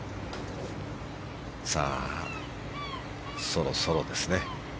そろそろですね。